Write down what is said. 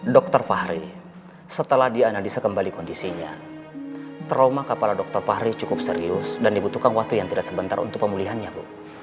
dokter fahri setelah dianalisa kembali kondisinya trauma kepala dokter fahri cukup serius dan dibutuhkan waktu yang tidak sebentar untuk pemulihannya bu